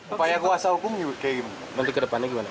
upaya kuasa hukum untuk ke depannya gimana